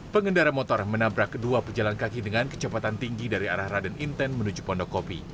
pengendara motor menabrak kedua pejalan kaki dengan kecepatan tinggi dari arah raden inten menuju pondokopi